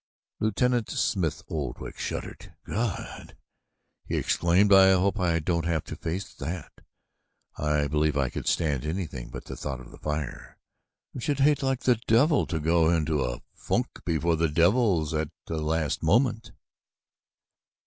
Lieutenant Smith Oldwick shuddered. "God!" he exclaimed, "I hope I don't have to face that. I believe I could stand anything but the thought of the fire. I should hate like the devil to go into a funk before the devils at the last moment."